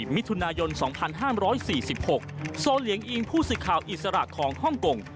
มิถุนายน๒๕๔๖โซเหลียงอิงผู้สื่อข่าวอิสระของฮ่องกง